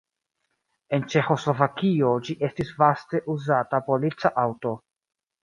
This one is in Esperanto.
En Ĉeĥoslovakio ĝi estis vaste uzata polica aŭto.